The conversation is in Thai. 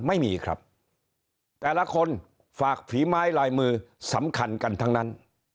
ไม่มีครับแต่ละคนฝากฝีไม้ลายมือสำคัญกันทั้งนั้น